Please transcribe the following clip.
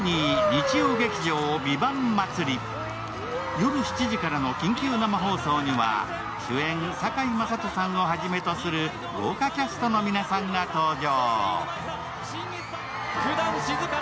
夜７時からの緊急生放送に主演・堺雅人さんをはじめとする豪華キャストの皆さんが登場。